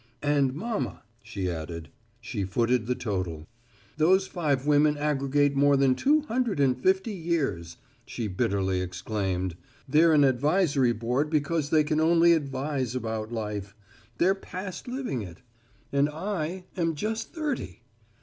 "And mama," she added. She footed the total. "Those five women aggregate more than two hundred and fifty years," she bitterly exclaimed. "They're an advisory board, because they can only advise about life. They're past living it. And I am just thirty.